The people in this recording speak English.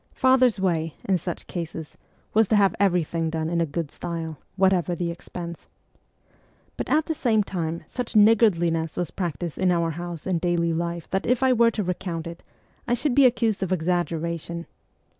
Father's way, in such cases, was to have everything done in a good style, whatever the expense. But at the same time such niggardliness was practised in our house in daily life that if I were to recount it, I should be ac cused of exaggeration.